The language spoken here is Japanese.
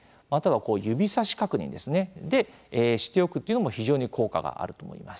指さし確認しておくことというのも非常に効果があると思います。